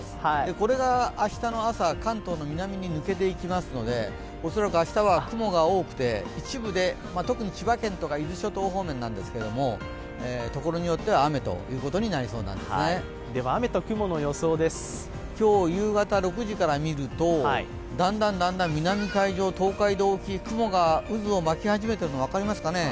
これが明日の朝、関東の南に抜けていきますので恐らく明日は雲が多くて一部で、特に千葉県とか伊豆諸島方面なんですけどところによっては雨ということになりそうなんですね今日夕方６時から見るとだんだん南海上、東海道沖雲が渦を巻き始めているのが分かりますかね。